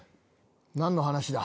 何の話だ？